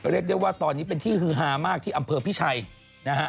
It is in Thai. เรียกได้ว่าตอนนี้เป็นที่ฮือฮามากที่อำเภอพิชัยนะฮะ